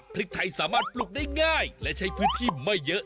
พริกไทยสามารถปลูกได้ง่ายและใช้พื้นที่ไม่เยอะ